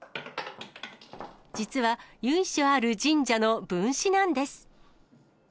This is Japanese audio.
実は、由緒ある神社の分しなんです。